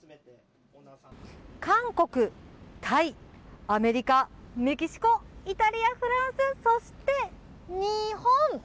韓国、タイアメリカ、メキシコイタリア、フランスそして日本。